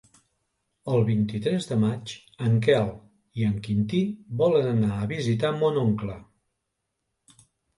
El vint-i-tres de maig en Quel i en Quintí volen anar a visitar mon oncle.